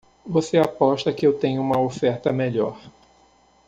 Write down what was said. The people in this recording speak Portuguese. Você aposta que eu tenho uma oferta melhor.